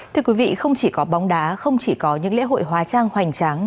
thưa quý vị không chỉ có bóng đá không chỉ có những lễ hội hóa trang hoành tráng